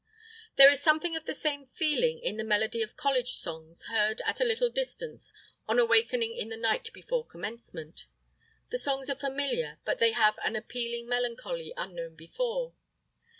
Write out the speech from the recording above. There is something of the same feeling in the melody of college songs heard at a little distance on awakening in the night before Commencement. The songs are familiar, but they have an appealing melancholy unknown before.